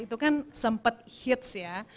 itu kan sempat hits ya